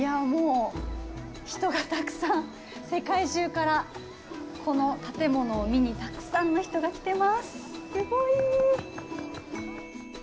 人がたくさん、世界中からこの建物を見に、たくさんの人が来ています。